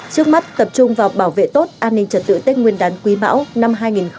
trước mắt tập trung vào bảo vệ tốt an ninh trật tự tết nguyên đán quý mão năm hai nghìn hai mươi